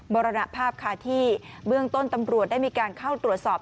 มรณภาพค่ะที่เบื้องต้นตำรวจได้มีการเข้าตรวจสอบ